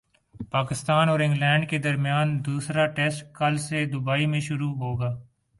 پاکستان اور انگلینڈ کے درمیان دوسرا ٹیسٹ کل سے دبئی میں شروع ہوگا